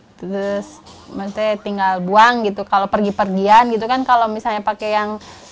terus maksudnya tinggal buang gitu kalau pergi pergian gitu kan kalau misalnya pakai yang